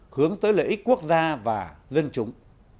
hướng tới lợi ích quốc gia và dân chúng